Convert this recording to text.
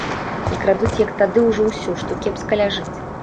І крадуць, як тады, ужо ўсё, што кепска ляжыць.